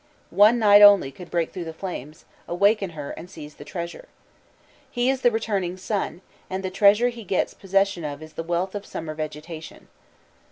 One knight only could break through the flames, awaken her and seize the treasure. He is the returning sun, and the treasure he gets possession of is the wealth of summer vegetation.